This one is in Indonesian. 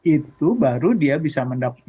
itu baru dia bisa mendapatkan